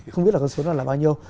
không biết số đó là bao nhiêu